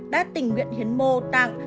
đá tình nguyện hiến mô tạng